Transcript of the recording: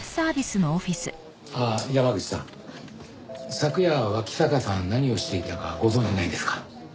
昨夜脇坂さん何をしていたかご存じないですか？